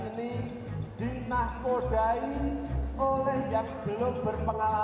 karena simularan rekomendasi agar bukan kita vert salah